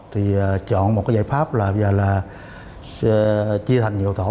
thì chọn một cái giải pháp là bây giờ là chia thành nhiều tổ